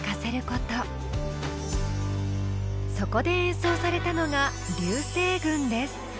そこで演奏されたのが「龍星群」です。